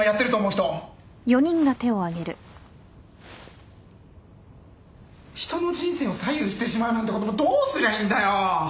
人の人生を左右してしまうなんてことどうすりゃいいんだよ。